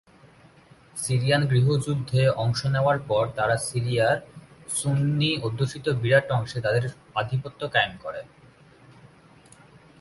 Syrian গৃহযুদ্ধে অংশ নেয়ার পর তারা সিরিয়ার সুন্নি অধ্যুষিত বিরাট অংশে তাদের আধিপত্য কায়েম করে।